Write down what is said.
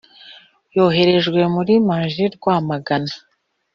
yoherereje muri maj rwamagana